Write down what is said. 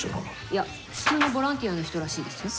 いや普通のボランティアの人らしいですよ。